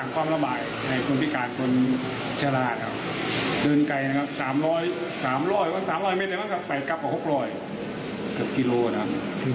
กลับไปกลับกว่า๖๐๐กกิโลกรัม